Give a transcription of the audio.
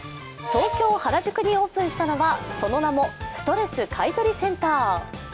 東京・原宿にオープンしたのはその名もストレス買取センター。